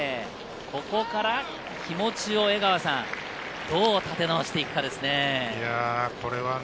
ここから気持ちを江川さん、どう立て直していくかですね。